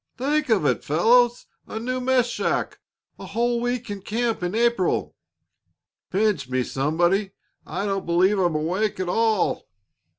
"Think of it, fellows! A new mess shack! A whole week in camp in April!" "Pinch me, somebody; I don't believe I'm awake at all!"